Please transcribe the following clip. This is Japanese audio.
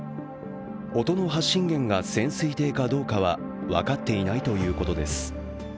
音の発信源が潜水艇かどうかは分かっていないということです。